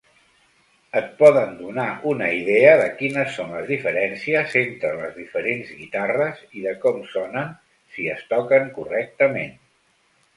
Et poden donar una idea de quines són les diferències entre les diferents guitarres i de com sonen si es toquen correctament.